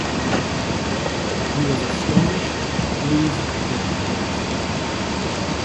He was astonished, pleased and impressed.